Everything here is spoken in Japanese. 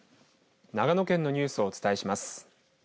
長野県のニュースをお伝えします。